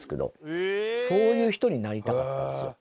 そういう人になりたかったんですよ